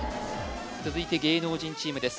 続いて芸能人チームです